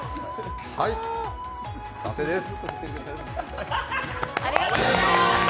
はい、完成です。